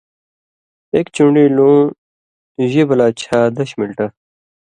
ایک چُݩڈی لُوں ژِبہۡ لا چھا دش مِلٹہ